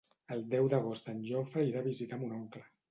El deu d'agost en Jofre irà a visitar mon oncle.